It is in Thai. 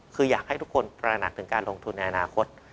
คืออยากให้ทุกคนตระหนักถึงการลงทุนในอนาคต